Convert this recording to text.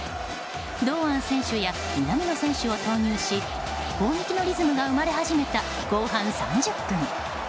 堂安選手や南野選手を投入し攻撃のリズムが生まれ始めた後半３０分。